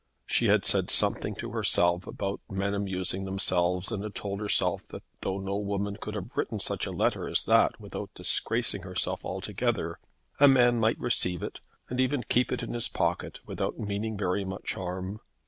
She had said something to herself about men amusing themselves, and had told herself that though no woman could have written such a letter as that without disgracing herself altogether, a man might receive it and even keep it in his pocket without meaning very much harm.